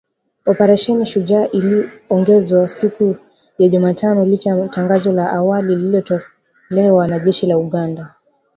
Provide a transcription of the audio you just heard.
Oparesheni Shujaa iliongezwa siku ya Jumatano licha ya tangazo la awali lililotolewa na jeshi la Uganda